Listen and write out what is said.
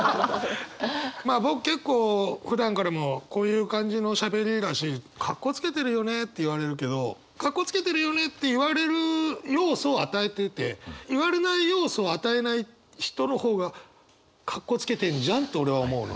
まあ僕結構ふだんからもこういう感じのしゃべりだし「カッコつけてるよね」って言われるけど「カッコつけてるよね」って言われる要素を与えてて言われない要素を与えない人の方がカッコつけてんじゃんって俺は思うの。